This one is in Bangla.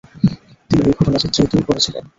তিনি এই ঘটনা চিত্রায়িতও করেছিলেন।